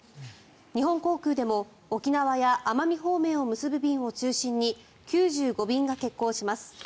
日本航空でも沖縄や奄美方面を結ぶ便を中心に９５便が欠航します。